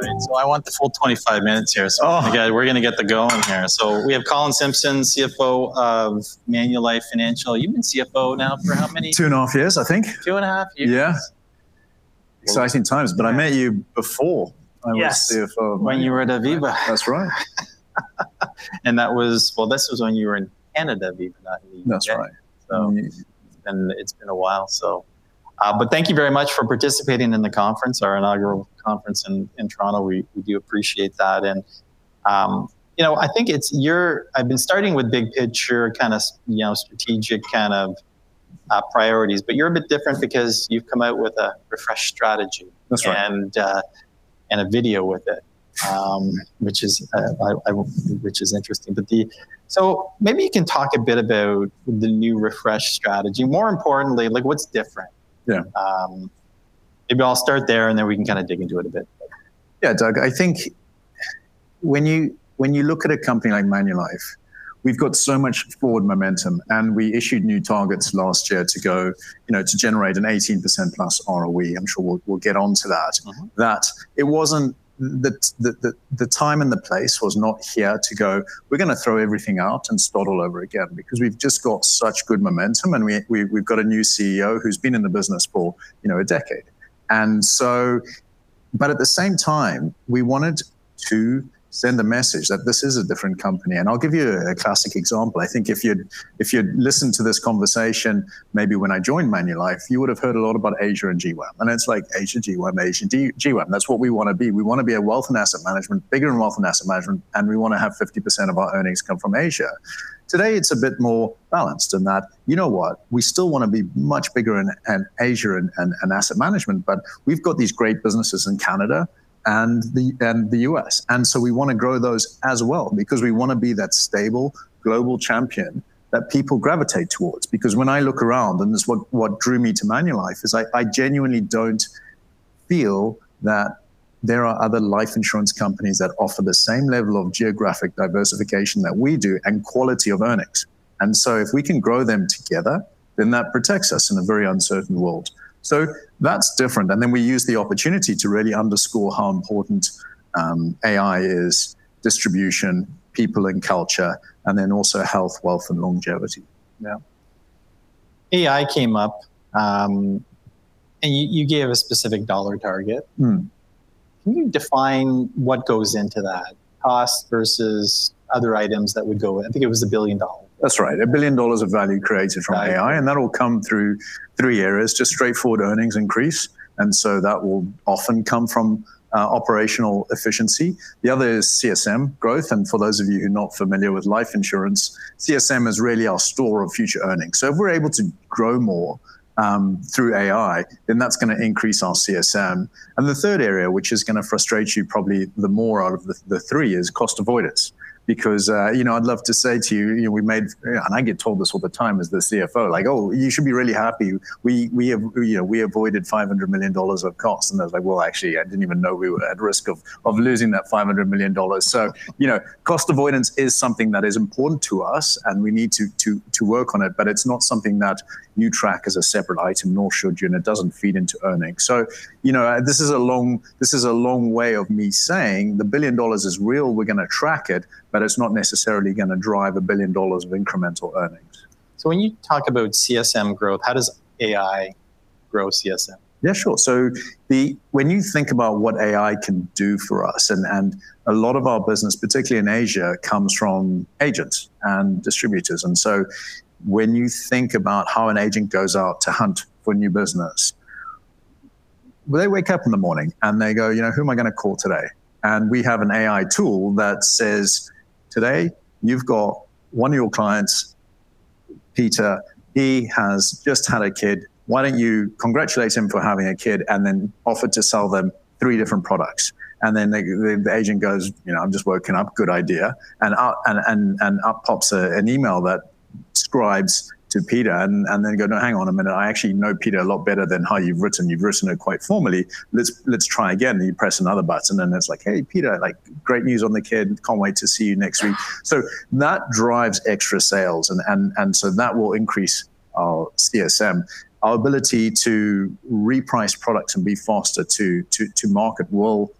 All right. I want the full 25 minutes here. Oh. Again, we're going to get the going here. So we have Colin Simpson, CFO of Manulife Financial. You've been CFO now for how many? Two and a half years, I think. Two and a half years. Yeah. Exciting times. I met you before I was CFO. Yes. When you were at Aviva. That's right. That was, this was when you were in Canada, not in the U.K. That's right. It's been a while, so thank you very much for participating in the conference, our inaugural conference in Toronto. We do appreciate that. You know, I think it's your, I've been starting with big picture, kind of, you know, strategic kind of priorities, but you're a bit different because you've come out with a refreshed strategy. That's right. A video with it, which is interesting. Maybe you can talk a bit about the new refreshed strategy. More importantly, like what's different? Yeah. Maybe I'll start there and then we can kind of dig into it a bit. Yeah, Doug, I think when you look at a company like Manulife, we've got so much forward momentum and we issued new targets last year to go, you know, to generate an 18%+ ROE. I'm sure we'll get onto that. That it wasn't, the time and the place was not here to go, we're going to throw everything out and start all over again because we've just got such good momentum and we've got a new CEO who's been in the business for, you know, a decade. At the same time, we wanted to send a message that this is a different company. I'll give you a classic example. I think if you'd listened to this conversation, maybe when I joined Manulife, you would have heard a lot about Asia and GWAM. It's like Asia, GWAM, Asia, GWAM. That's what we want to be. We want to be a wealth and asset management, bigger in wealth and asset management, and we want to have 50% of our earnings come from Asia. Today, it's a bit more balanced in that, you know, we still want to be much bigger in Asia and asset management, but we've got these great businesses in Canada and the U.S.. We want to grow those as well because we want to be that stable global champion that people gravitate towards. Because when I look around and this is what drew me to Manulife is I genuinely don't feel that there are other life insurance companies that offer the same level of geographic diversification that we do and quality of earnings. If we can grow them together, then that protects us in a very uncertain world. That's different. We use the opportunity to really underscore how important AI is, distribution, people and culture, and then also health, wealth, and longevity. Yeah. AI came up and you gave a specific dollar target. Can you define what goes into that? Cost versus other items that would go, I think it was a billion dollars. That's right. A billion dollars of value created from AI and that will come through 3 areas, just straightforward earnings increase. That will often come from operational efficiency. The other is CSM growth. For those of you who are not familiar with life insurance, CSM is really our store of future earnings. If we're able to grow more through AI, then that's going to increase our CSM. The third area, which is going to frustrate you probably the more out of the 3, is cost avoidance. Because, you know, I'd love to say to you, you know, we made, and I get told this all the time as the CFO, like, oh, you should be really happy. We avoided $500 million of costs. I was like, actually, I didn't even know we were at risk of losing that $500 million. You know, cost avoidance is something that is important to us and we need to work on it, but it's not something that you track as a separate item, nor should you, and it doesn't feed into earnings. You know, this is a long, this is a long way of me saying the billion dollars is real, we're going to track it, but it's not necessarily going to drive a billion dollars of incremental earnings. When you talk about CSM growth, how does AI grow CSM? Yeah, sure. When you think about what AI can do for us, and a lot of our business, particularly in Asia, comes from agents and distributors. When you think about how an agent goes out to hunt for new business, they wake up in the morning and they go, you know, who am I going to call today? We have an AI tool that says, today, you've got one of your clients, Peter, he has just had a kid. Why don't you congratulate him for having a kid and then offer to sell them 3 different products? The agent goes, you know, I'm just waking up, good idea. Up pops an email that scribes to Peter and then go, no, hang on a minute. I actually know Peter a lot better than how you've written. You've written it quite formally. Let's try again. You press another button and it's like, hey Peter, like great news on the kid. Can't wait to see you next week. That drives extra sales. That will increase our CSM. Our ability to reprice products and be faster to market will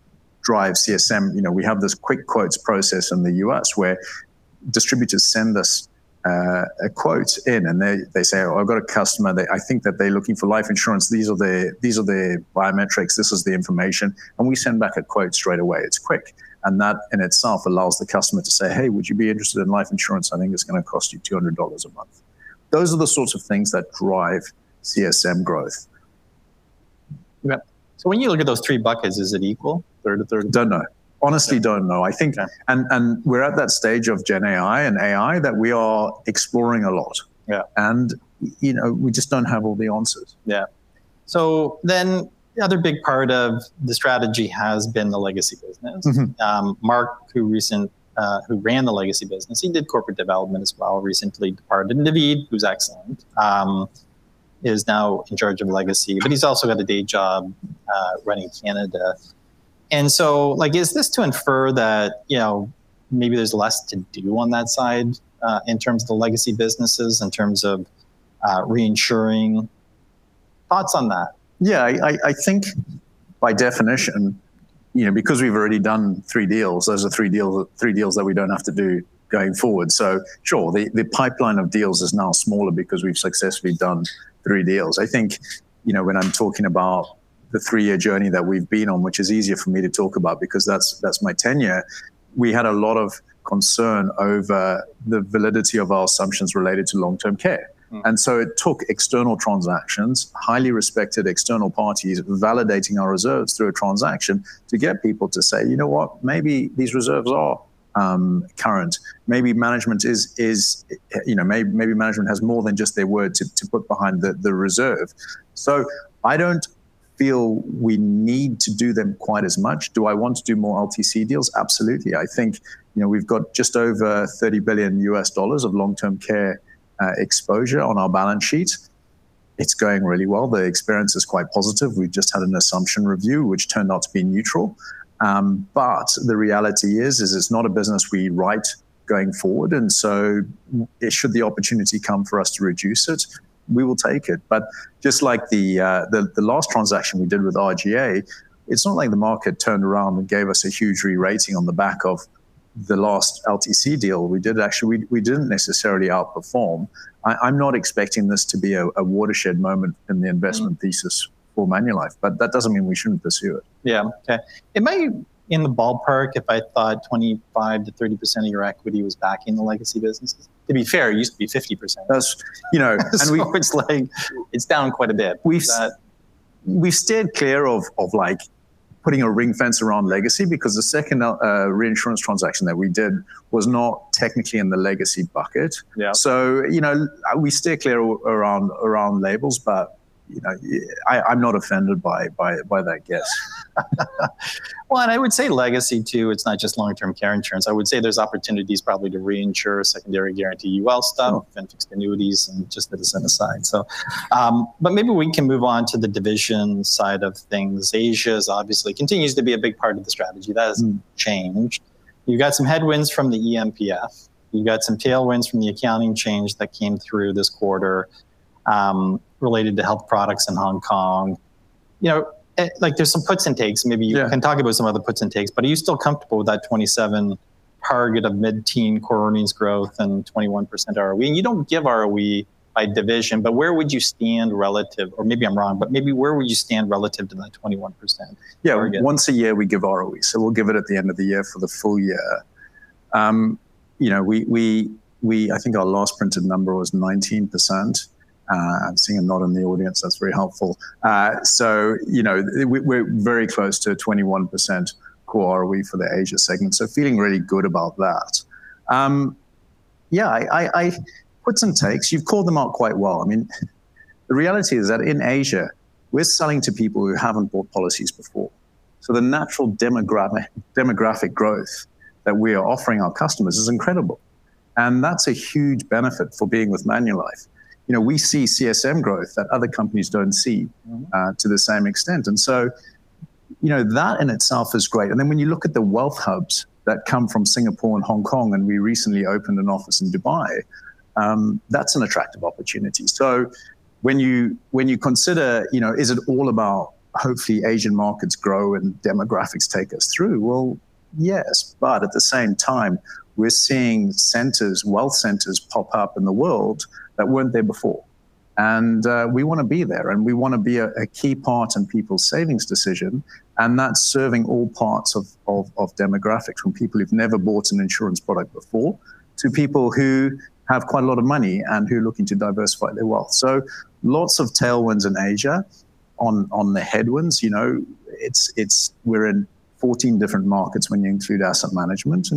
drive CSM. You know, we have this quick quotes process in the U.S. where distributors send us a quote in and they say, oh, I've got a customer. I think that they're looking for life insurance. These are the biometrics. This is the information. We send back a quote straight away. It's quick. That in itself allows the customer to say, hey, would you be interested in life insurance? I think it's going to cost you $200 a month. Those are the sorts of things that drive CSM growth. Yeah. So when you look at those 3 buckets, is it equal? Don't know. Honestly, don't know. I think, and we're at that stage of Gen AI and AI that we are exploring a lot. You know, we just don't have all the answers. Yeah. So then the other big part of the strategy has been the legacy business. Mark, who ran the legacy business, he did corporate development as well, recently departed. Naveed, who's excellent, is now in charge of legacy, but he's also got a day job running Canada. And so, like, is this to infer that, you know, maybe there's less to do on that side in terms of the legacy businesses, in terms of reinsuring? Thoughts on that? Yeah, I think by definition, you know, because we've already done 3 deals, those are 3 deals that we don't have to do going forward. Sure, the pipeline of deals is now smaller because we've successfully done 3 deals. I think, you know, when I'm talking about the 3 year journey that we've been on, which is easier for me to talk about because that's my tenure, we had a lot of concern over the validity of our assumptions related to long-term care. It took external transactions, highly respected external parties validating our reserves through a transaction to get people to say, you know what, maybe these reserves are current. Maybe management is, you know, maybe management has more than just their word to put behind the reserve. I don't feel we need to do them quite as much. Do I want to do more LTC deals? Absolutely. I think, you know, we've got just over $30 billion of long-term care exposure on our balance sheet. It's going really well. The experience is quite positive. We've just had an assumption review, which turned out to be neutral. The reality is, is it's not a business we write going forward. Should the opportunity come for us to reduce it, we will take it. Just like the last transaction we did with RGA, it's not like the market turned around and gave us a huge re-rating on the back of the last LTC deal we did. Actually, we didn't necessarily outperform. I'm not expecting this to be a watershed moment in the investment thesis for Manulife, but that doesn't mean we shouldn't pursue it. Yeah. Okay. Am I in the ballpark if I thought 25%-30% of your equity was backing the legacy businesses? To be fair, it used to be 50%. You know, and we've been slaying. It's down quite a bit. We've stayed clear of like putting a ring fence around legacy because the second reinsurance transaction that we did was not technically in the legacy bucket. You know, we stay clear around labels, but, you know, I'm not offended by that guess. I would say legacy too, it's not just long-term care insurance. I would say there's opportunities probably to reinsure secondary guarantee UL stuff, vent fixed annuities, and just to set aside. Maybe we can move on to the division side of things. Asia obviously continues to be a big part of the strategy. That hasn't changed. You've got some headwinds from the MPF. You've got some tailwinds from the accounting change that came through this quarter related to health products in Hong Kong. You know, like there's some puts and takes. Maybe you can talk about some of the puts and takes, but are you still comfortable with that 2027 target of mid-teen quarter earnings growth and 21% ROE? You don't give ROE by division, but where would you stand relative, or maybe I'm wrong, but maybe where would you stand relative to that 21%? Yeah, once a year we give ROE. We'll give it at the end of the year for the full year. You know, I think our last printed number was 19%. I'm seeing a nod in the audience. That's very helpful. You know, we're very close to 21% core ROE for the Asia segment. Feeling really good about that. Yeah, puts and takes, you've called them out quite well. I mean, the reality is that in Asia, we're selling to people who haven't bought policies before. The natural demographic growth that we are offering our customers is incredible. That's a huge benefit for being with Manulife. You know, we see CSM growth that other companies don't see to the same extent. That in itself is great. When you look at the wealth hubs that come from Singapore and Hong Kong, and we recently opened an office in Dubai, that's an attractive opportunity. When you consider, you know, is it all about hopefully Asian markets grow and demographics take us through? Yes, but at the same time, we're seeing centers, wealth centers pop up in the world that weren't there before. We want to be there. We want to be a key part in people's savings decision. That's serving all parts of demographics from people who've never bought an insurance product before to people who have quite a lot of money and who are looking to diversify their wealth. Lots of tailwinds in Asia. On the headwinds, you know, we're in 14 different markets when you include asset management.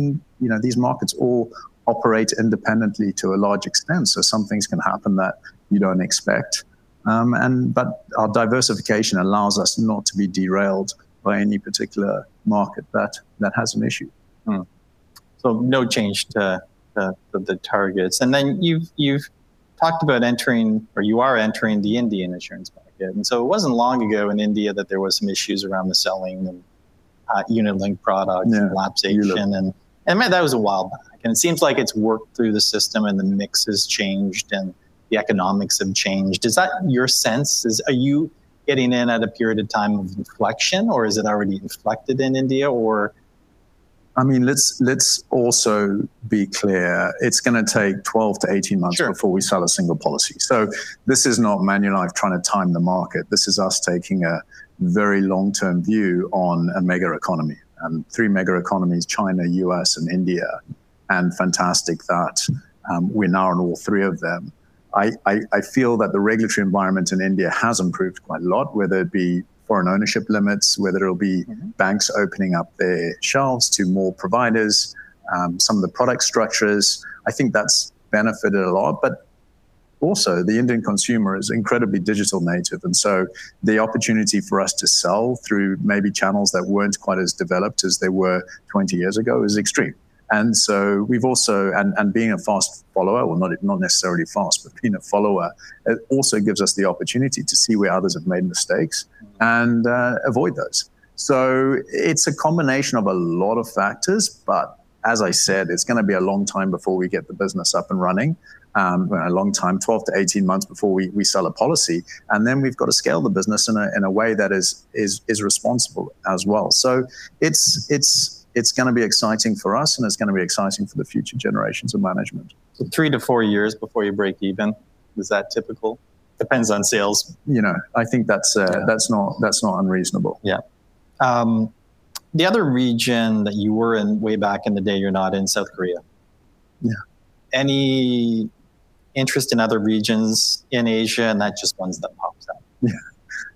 You know, these markets all operate independently to a large extent. Some things can happen that you do not expect. Our diversification allows us not to be derailed by any particular market that has an issue. No change to the targets. You talked about entering, or you are entering the Indian insurance market. It was not long ago in India that there were some issues around the selling and unit-linked products and lapse agent. That was a while back. It seems like it has worked through the system and the mix has changed and the economics have changed. Is that your sense? Are you getting in at a period of time of inflection or is it already inflected in India? I mean, let's also be clear. It's going to take 12-18 months before we sell a single policy. This is not Manulife trying to time the market. This is us taking a very long-term view on a mega economy and 3 mega economies, China, U.S., and India. Fantastic that we're now in all 3 of them. I feel that the regulatory environment in India has improved quite a lot, whether it be foreign ownership limits, whether it'll be banks opening up their shelves to more providers, some of the product structures. I think that's benefited a lot, but also the Indian consumer is incredibly digital native. The opportunity for us to sell through maybe channels that weren't quite as developed as they were 20 years ago is extreme. We've also, and being a fast follower, not necessarily fast, but being a follower, it also gives us the opportunity to see where others have made mistakes and avoid those. It is a combination of a lot of factors, but as I said, it is going to be a long time before we get the business up and running, a long time, 12-18 months before we sell a policy. Then we have to scale the business in a way that is responsible as well. It is going to be exciting for us and it is going to be exciting for the future generations of management. 3-4 years before you break even, is that typical? Depends on sales. You know, I think that's not unreasonable. Yeah. The other region that you were in way back in the day, you're not in South Korea. Yeah. Any interest in other regions in Asia and not just ones that pops out? Yeah.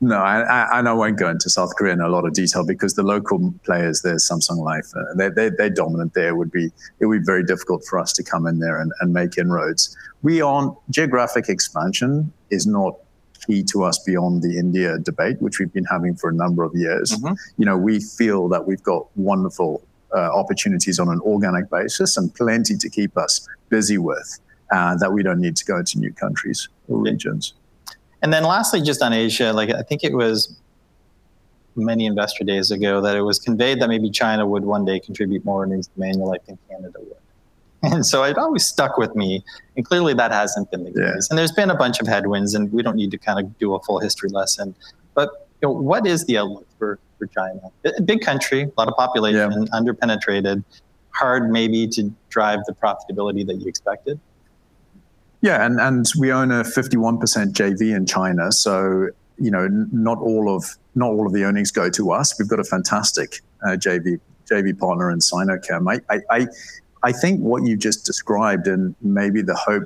No, I know I won't go into South Korea in a lot of detail because the local players there, Samsung Life, they're dominant there. It would be very difficult for us to come in there and make inroads. Geographic expansion is not key to us beyond the India debate, which we've been having for a number of years. You know, we feel that we've got wonderful opportunities on an organic basis and plenty to keep us busy with that we don't need to go into new countries or regions. Lastly, just on Asia, like I think it was many investor days ago that it was conveyed that maybe China would one day contribute more into Manulife than Canada would. It always stuck with me. Clearly that has not been the case. There have been a bunch of headwinds and we do not need to kind of do a full history lesson. What is the outlook for China? Big country, a lot of population, underpenetrated, hard maybe to drive the profitability that you expected. Yeah. And we own a 51% JV in China. You know, not all of the earnings go to us. We've got a fantastic JV partner in Sinochem. I think what you've just described and maybe the hope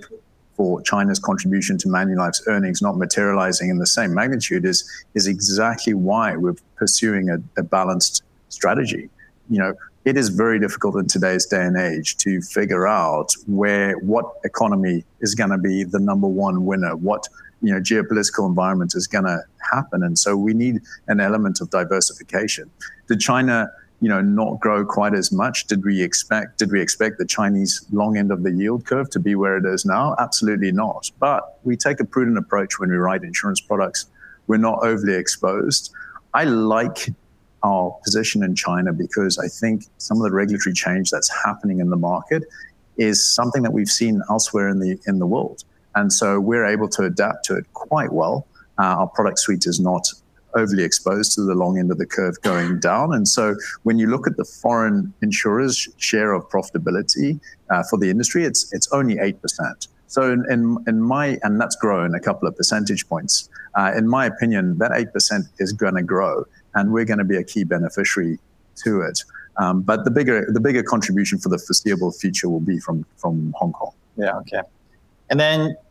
for China's contribution to Manulife's earnings not materializing in the same magnitude is exactly why we're pursuing a balanced strategy. You know, it is very difficult in today's day and age to figure out what economy is going to be the number one winner, what geopolitical environment is going to happen. We need an element of diversification. Did China, you know, not grow quite as much? Did we expect the Chinese long end of the yield curve to be where it is now? Absolutely not. We take a prudent approach when we write insurance products. We're not overly exposed. I like our position in China because I think some of the regulatory change that's happening in the market is something that we've seen elsewhere in the world. We are able to adapt to it quite well. Our product suite is not overly exposed to the long end of the curve going down. When you look at the foreign insurers' share of profitability for the industry, it's only 8%. In my opinion, that 8% is going to grow and we are going to be a key beneficiary to it. The bigger contribution for the foreseeable future will be from Hong Kong. Yeah. Okay.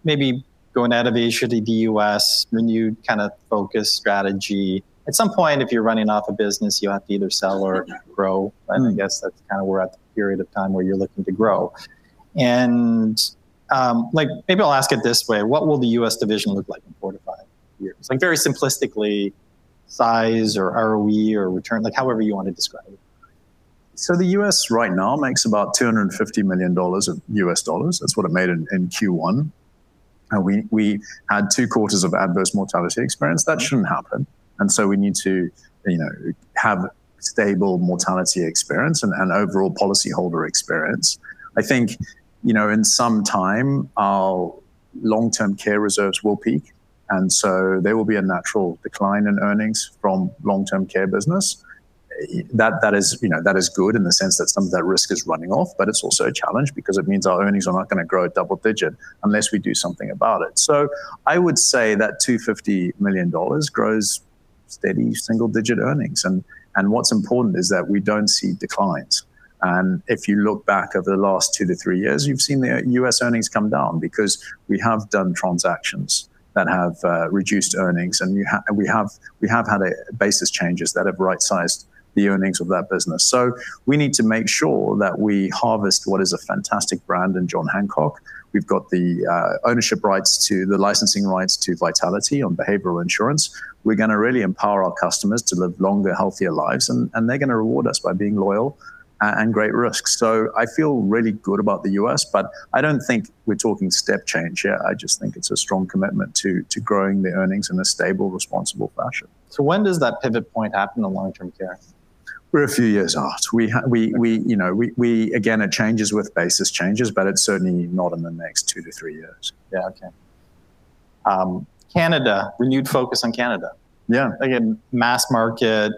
Maybe going out of Asia, the U.S., renewed kind of focus strategy. At some point, if you're running off a business, you'll have to either sell or grow. I guess that's kind of where at the period of time where you're looking to grow. Like maybe I'll ask it this way, what will the U.S. division look like in 4-5 years? Like very simplistically, size or ROE or return, like however you want to describe it. The US right now makes about $250 million. That's what it made in Q1. We had two quarters of adverse mortality experience. That shouldn't happen. We need to, you know, have stable mortality experience and overall policyholder experience. I think, you know, in some time, our long-term care reserves will peak. There will be a natural decline in earnings from long-term care business. That is good in the sense that some of that risk is running off, but it's also a challenge because it means our earnings are not going to grow at double digit unless we do something about it. I would say that $250 million grows steady single-digit earnings. What's important is that we don't see declines. If you look back over the last 2-3 years, you've seen the U.S. earnings come down because we have done transactions that have reduced earnings. We have had basis changes that have right-sized the earnings of that business. We need to make sure that we harvest what is a fantastic brand in John Hancock. We've got the ownership rights to the licensing rights to Vitality on behavioral insurance. We're going to really empower our customers to live longer, healthier lives. They're going to reward us by being loyal and great risks. I feel really good about the U.S., but I don't think we're talking step change yet. I just think it's a strong commitment to growing the earnings in a stable, responsible fashion. When does that pivot point happen in long-term care? We're a few years out. You know, again, it changes with basis changes, but it's certainly not in the next 2-3 years. Yeah. Okay. Canada, renewed focus on Canada. Yeah. Again, mass market.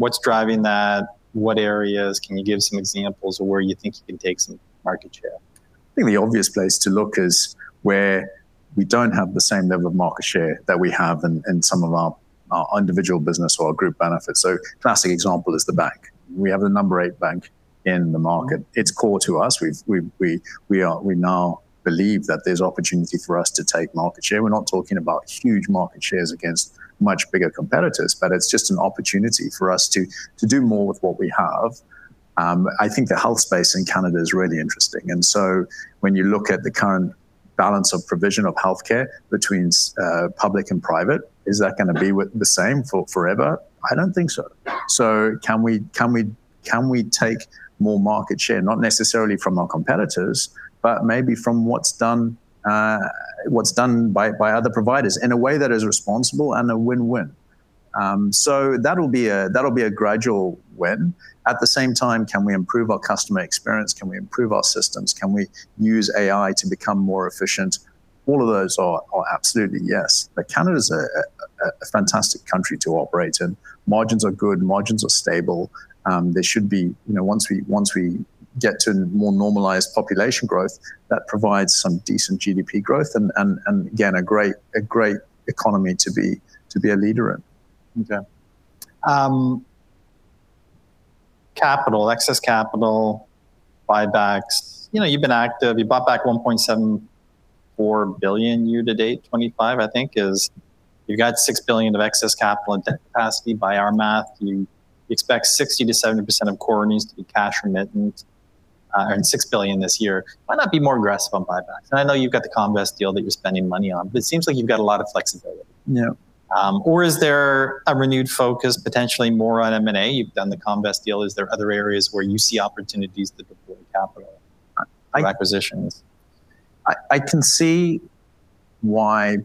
What's driving that? What areas? Can you give some examples of where you think you can take some market share? I think the obvious place to look is where we do not have the same level of market share that we have in some of our individual business or our group benefits. A classic example is the bank. We have the number 8 bank in the market. It is core to us. We now believe that there is opportunity for us to take market share. We are not talking about huge market shares against much bigger competitors, but it is just an opportunity for us to do more with what we have. I think the health space in Canada is really interesting. When you look at the current balance of provision of healthcare between public and private, is that going to be the same forever? I do not think so. Can we take more market share, not necessarily from our competitors, but maybe from what's done by other providers in a way that is responsible and a win-win? That'll be a gradual win. At the same time, can we improve our customer experience? Can we improve our systems? Can we use AI to become more efficient? All of those are absolutely yes. Canada's a fantastic country to operate in. Margins are good. Margins are stable. There should be, you know, once we get to more normalized population growth, that provides some decent GDP growth and, again, a great economy to be a leader in. Okay. Capital, excess capital, buybacks. You know, you've been active. You bought back $1.74 billion year to date, 2025, I think, as you've got $6 billion of excess capital and capacity by our math. You expect 60%-70% of core earnings to be cash remittance and $6 billion this year. Why not be more aggressive on buybacks? I know you've got the Comvest deal that you're spending money on, but it seems like you've got a lot of flexibility. Yeah. Is there a renewed focus, potentially more on M&A? You've done the Comvest deal. Is there other areas where you see opportunities to deploy capital and acquisitions? I can see why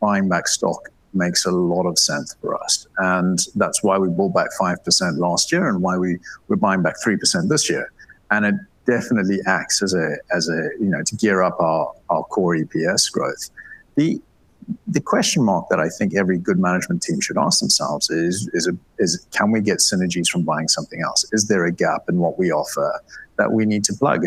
buying back stock makes a lot of sense for us. That is why we bought back 5% last year and why we are buying back 3% this year. It definitely acts as a, you know, to gear up our core EPS growth. The question mark that I think every good management team should ask themselves is, can we get synergies from buying something else? Is there a gap in what we offer that we need to plug?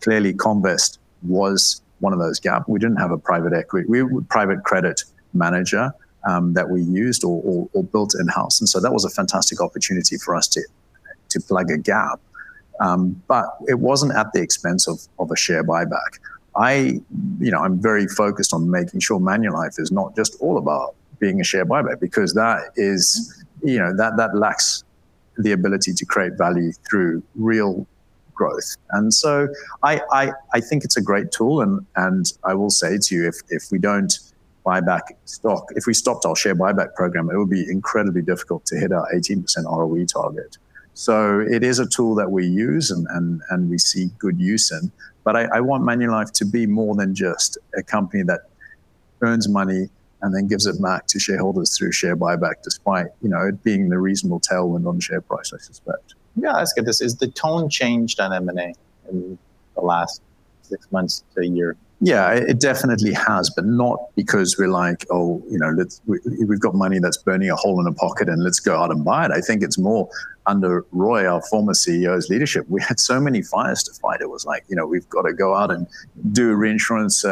Clearly, Comvest was one of those gaps. We did not have a private equity, private credit manager that we used or built in-house. That was a fantastic opportunity for us to plug a gap. It was not at the expense of a share buyback. I, you know, I'm very focused on making sure Manulife is not just all about being a share buyback because that is, you know, that lacks the ability to create value through real growth. I think it's a great tool. I will say to you, if we don't buy back stock, if we stopped our share buyback program, it would be incredibly difficult to hit our 18% ROE target. It is a tool that we use and we see good use in. I want Manulife to be more than just a company that earns money and then gives it back to shareholders through share buyback despite, you know, it being the reasonable tailwind on share price, I suspect. I'm going to ask you this. Has the tone changed on M&A in the last 6 months to a year? Yeah, it definitely has, but not because we're like, oh, you know, we've got money that's burning a hole in a pocket and let's go out and buy it. I think it's more under Roy, our former CEO's leadership. We had so many fires to fight. It was like, you know, we've got to go out and do a reinsurance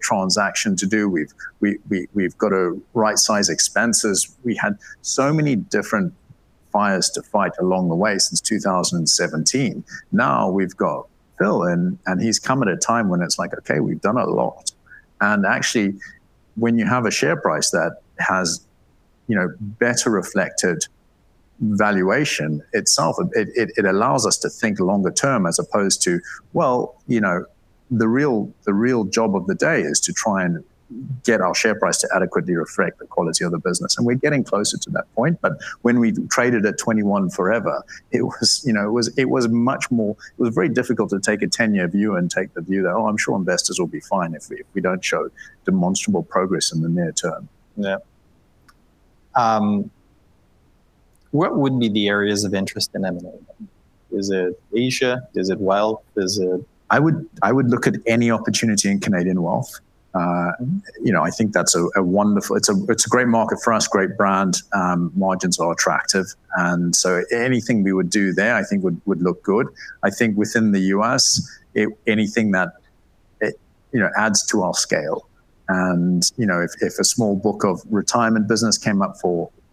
transaction to do. We've got to right-size expenses. We had so many different fires to fight along the way since 2017. Now we've got Phil and he's come at a time when it's like, okay, we've done a lot. And actually, when you have a share price that has, you know, better reflected valuation itself, it allows us to think longer term as opposed to, you know, the real job of the day is to try and get our share price to adequately reflect the quality of the business. We're getting closer to that point. When we traded at $21 forever, you know, it was much more, it was very difficult to take a 10-year view and take the view that, oh, I'm sure investors will be fine if we don't show demonstrable progress in the near term. Yeah. What would be the areas of interest in M&A? Is it Asia? Is it wealth? I would look at any opportunity in Canadian wealth. You know, I think that's a wonderful, it's a great market for us, great brand. Margins are attractive. Anything we would do there, I think would look good. I think within the U.S., anything that, you know, adds to our scale. You know, if a small book of retirement business came up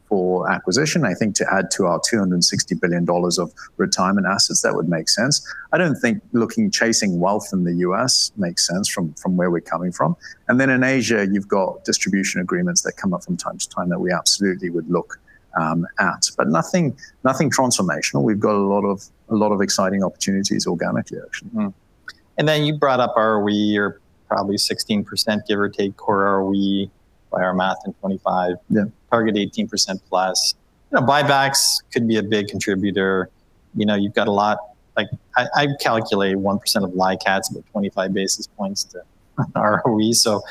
for acquisition, I think to add to our $260 billion of retirement assets, that would make sense. I don't think looking, chasing wealth in the U.S. makes sense from where we're coming from. In Asia, you've got distribution agreements that come up from time to time that we absolutely would look at. Nothing transformational. We've got a lot of exciting opportunities organically, actually. You brought up ROE, you're probably 16%, give or take, core ROE by our math in 2025, target 18% plus. Buybacks could be a big contributor. You know, you've got a lot, like I calculate 1% of LICATs with 25 basis points to ROE. So,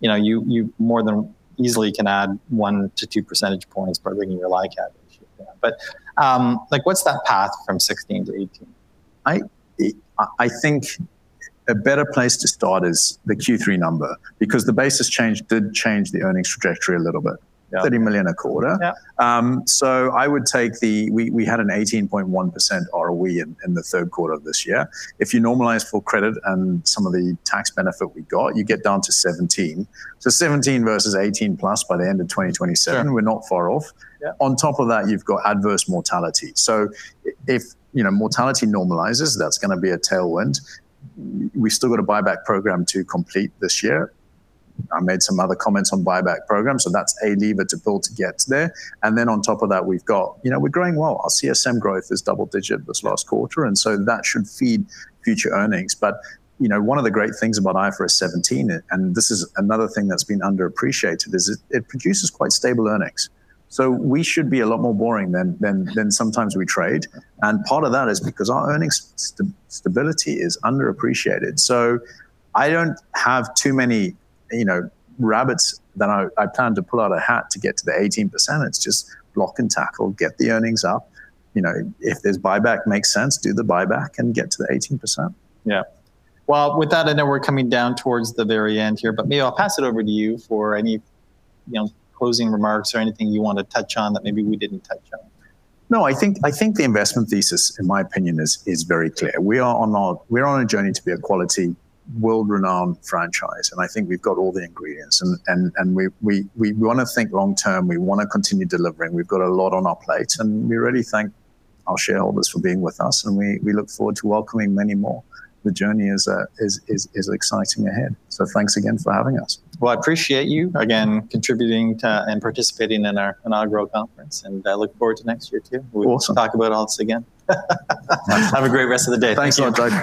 you know, you more than easily can add one to 2 percentage points by bringing your LICAT issue. Like what's that path from 16 to 18? I think a better place to start is the Q3 number because the basis change did change the earnings trajectory a little bit. $30 million a quarter. I would take the, we had an 18.1% ROE in the third quarter of this year. If you normalize for credit and some of the tax benefit we got, you get down to 17%. 17% versus 18% plus by the end of 2027, we're not far off. On top of that, you've got adverse mortality. If, you know, mortality normalizes, that's going to be a tailwind. We still got a buyback program to complete this year. I made some other comments on buyback program. That's a lever to build to get there. On top of that, we've got, you know, we're growing well. Our CSM growth is double digit this last quarter. That should feed future earnings. You know, one of the great things about IFRS 17, and this is another thing that's been underappreciated, is it produces quite stable earnings. We should be a lot more boring than sometimes we trade. Part of that is because our earnings stability is underappreciated. I do not have too many, you know, rabbits that I plan to pull out a hat to get to the 18%. It is just block and tackle, get the earnings up. You know, if there is buyback, makes sense, do the buyback and get to the 18%. Yeah. With that, I know we're coming down towards the very end here, but maybe I'll pass it over to you for any, you know, closing remarks or anything you want to touch on that maybe we didn't touch on. No, I think the investment thesis, in my opinion, is very clear. We are on a journey to be a quality world-renowned franchise. I think we've got all the ingredients. We want to think long-term. We want to continue delivering. We've got a lot on our plate. We really thank our shareholders for being with us. We look forward to welcoming many more. The journey is exciting ahead. Thanks again for having us. I appreciate you again contributing and participating in our growth conference. I look forward to next year too. We will talk about all this again. Have a great rest of the day. Thanks a lot.